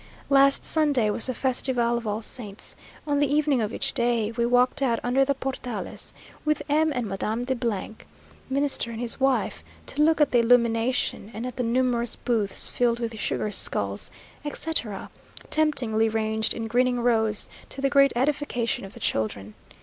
Last Sunday was the festival of All Saints; on the evening of which day, we walked out under the portales, with M. and Madame de , Minister and his wife, to look at the illumination, and at the numerous booths filled with sugar skulls, etc.; temptingly ranged in grinning rows, to the great edification of the children.